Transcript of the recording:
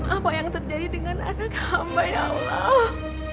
apa yang terjadi dengan anak hamba ya allah